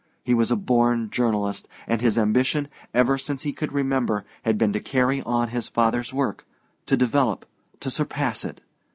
He was a born journalist, and his ambition, ever since he could remember, had been to carry on his father's work, to develop, to surpass it.